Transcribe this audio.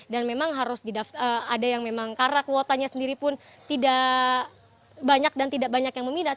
dan memang harus ada yang memang karena kuotanya sendiri pun tidak banyak dan tidak banyak yang meminat